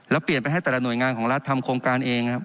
แล้วเปลี่ยนไปให้แต่ละหน่วยงานของรัฐทำโครงการเองครับ